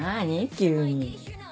急に。